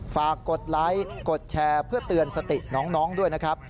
กดไลค์กดแชร์เพื่อเตือนสติน้องด้วยนะครับ